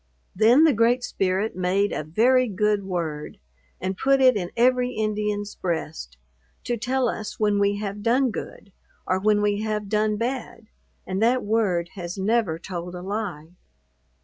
Then the Great Spirit made a very good word, and put it in every Indians breast, to tell us when we have done good, or when we have done bad; and that word has never told a lie.